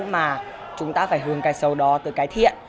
mà chúng ta phải hướng cái xấu đó từ cái thiện